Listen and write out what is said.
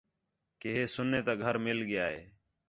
کہ ہِے سنّے تا گھر مِل ڳِیا ہِے